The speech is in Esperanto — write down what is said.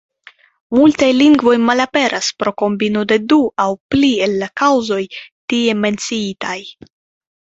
Multaj lingvoj malaperas pro kombino de du aŭ pli el la kaŭzoj tie menciitaj.